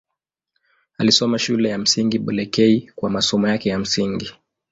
Alisoma Shule ya Msingi Bulekei kwa masomo yake ya msingi.